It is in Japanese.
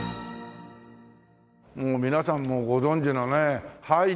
もう皆さんもご存じのねハイチュウ。